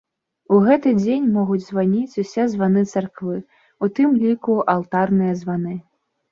У гэты дзень могуць званіць усе званы царквы, у тым ліку алтарныя званы.